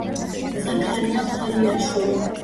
ზაქარია ფალიაშვილი